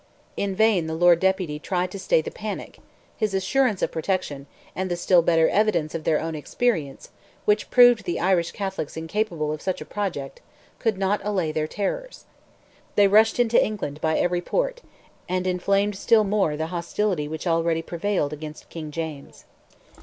In vain the Lord Deputy tried to stay the panic—his assurance of protection, and the still better evidence of their own experience, which proved the Irish Catholics incapable of such a project, could not allay their terrors. They rushed into England by every port, and inflamed still more the hostility which already prevailed against King James.